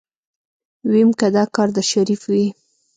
ويم که دا کار د شريف وي.